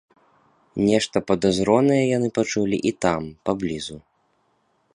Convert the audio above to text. Нешта падазронае яны пачулі і там, паблізу.